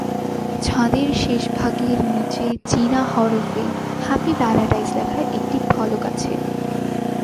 ছাদের শেষভাগের নিচে চীনা হরফে "হ্যাপি প্যারাডাইস" লেখা একটি ফলক আছে।